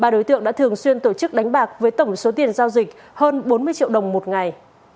ba đối tượng đã thường xuyên tổ chức đánh bạc với tổng số tiền giao dịch hơn bốn mươi triệu đồng một ngày